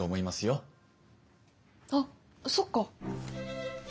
あっそっか。